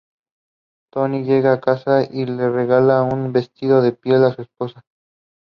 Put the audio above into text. She taught herself to play bass in that time by listening to Ramones records.